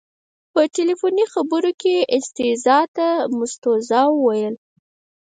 په تلیفوني خبرو کې یې استیضاح ته مستوزا وویل.